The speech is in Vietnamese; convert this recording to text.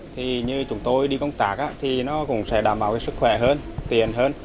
thì như chúng tôi đi công tác thì nó cũng sẽ đảm bảo sức khỏe hơn tiền hơn